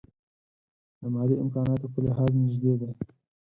د مالي امکاناتو په لحاظ نژدې دي.